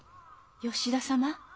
吉田様？